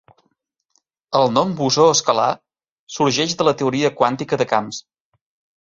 El nom "bosó escalar" sorgeix de la teoria quàntica de camps.